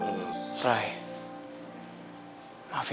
bangunan diri gitu